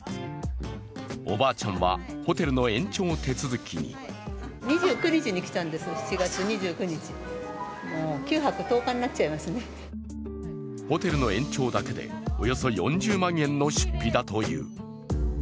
おばあちゃんは、ホテルの延長手続きにホテルの延長だけでおよそ４０万円の出費だという。